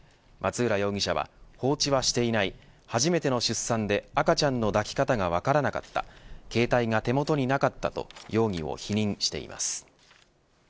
松浦容疑者は放置はしていない初めての出産で赤ちゃんの抱き方が分からなかった携帯が手元になかったと容疑を否認しています。